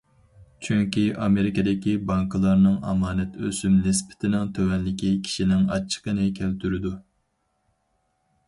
چۈنكى ئامېرىكىدىكى بانكىلارنىڭ ئامانەت ئۆسۈم نىسبىتىنىڭ تۆۋەنلىكى كىشىنىڭ ئاچچىقىنى كەلتۈرىدۇ.